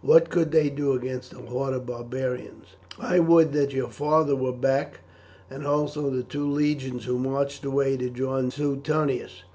What could they do against a horde of barbarians? I would that your father were back, and also the two legions who marched away to join Suetonius.